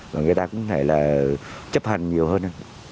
và người ta cũng phải là chấp hành nhiều hơn